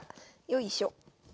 よいしょ。